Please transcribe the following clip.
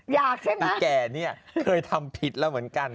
อยากใช่ไหมอีแกเนี่ยเคยทำผิดแล้วเหมือนกัน